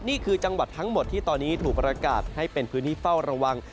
นี่คือจังหวัดทั้งหมดที่ตอนนี้ถูกประกาศให้เป็นพื้นที่เฝ้าระวัง